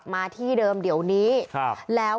คุณผู้ชมไปฟังเสียงพร้อมกัน